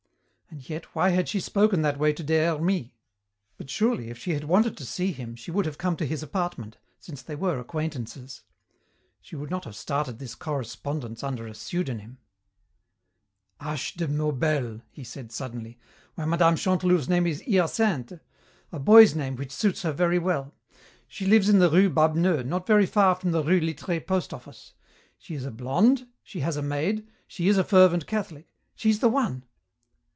And yet, why had she spoken that way to Des Hermies? But surely if she had wanted to see him she would have come to his apartment, since they were acquaintances. She would not have started this correspondence under a pseudonym "H. de Maubel!" he said suddenly, "why, Mme. Chantelouve's name is Hyacinthe, a boy's name which suits her very well. She lives in the rue Babneux not vary far from the rue Littré post office. She is a blonde, she has a maid, she is a fervent Catholic. She's the one."